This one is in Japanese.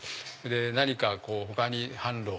何か他に販路を！